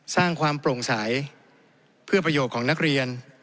สร้างความโปร่งใสเพื่อประโยชน์ของนักเรียน